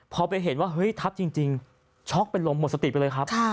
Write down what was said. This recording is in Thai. พอไปเห็นว่าเฮ้ยทับจริงช็อกเป็นลมหมดสติไปเลยครับ